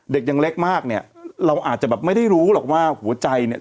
เด็กยังเล็กมากเนี่ยเราอาจจะแบบไม่ได้รู้หรอกว่าหัวใจเนี่ย